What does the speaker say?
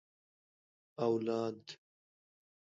اوالد